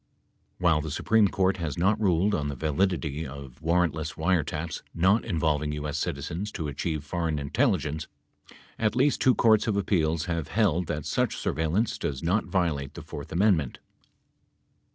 While the Supreme Court has not ruled on the validity of warrant less wiretaps not involving U.S. citizens to achieve foreign intelligence, at least two courts of appeals have held that such surveillance does not violate the fourth amendment.